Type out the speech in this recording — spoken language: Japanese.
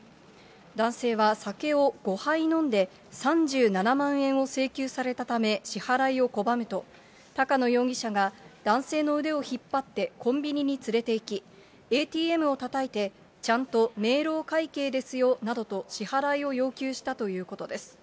男性は酒を５杯飲んで、３７万円を請求されたため、支払いを拒むと、高野容疑者が男性の腕を引っ張って、コンビニに連れていき、ＡＴＭをたたいて、ちゃんと明朗会計ですよなどと、支払いを要求したということです。